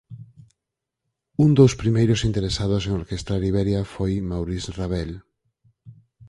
Un dos primeiros interesados en orquestrar Iberia foi Maurice Ravel.